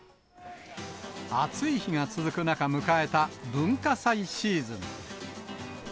暑い日が続く中、迎えた文化祭シーズン。